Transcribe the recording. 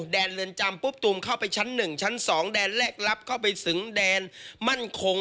แดนเรือนจำปุ๊บตูมเข้าไปชั้น๑ชั้น๒แดนแรกรับเข้าไปถึงแดนมั่นคง